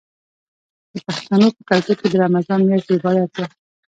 د پښتنو په کلتور کې د رمضان میاشت د عبادت ده.